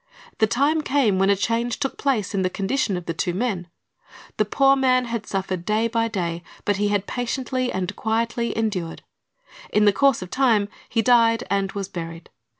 The time came when a change took place in the condition of the two men. The poor man had suffered day by day, but he had patiently and quietly endured. In the course of time he died and was buried.